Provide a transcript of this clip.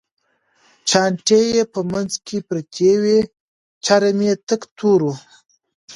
چانټې یې په منځ کې پرتې وې، چرم یې تک تور و.